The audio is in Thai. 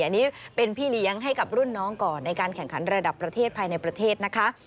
อันนี้เป็นพี่เลี้ยงให้กับรุ่นน้องก่อนในการแข่งขันระดับประเทศภายในประเทศนะคะ